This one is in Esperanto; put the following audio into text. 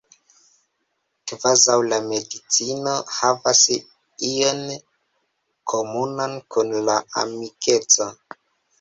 Kvazau la medicino havas ion komunan kun la amikeco.